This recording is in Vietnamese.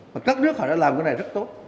và các nước họ đã làm cái này rất tốt